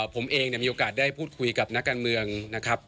ผมเองมีโอกาสได้พูดคุยกับนักการเมืองนะครับ